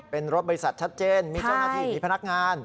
เป็นรถบริษัทชัดเจนมีเจ้าหน้าที่มีพนักงาน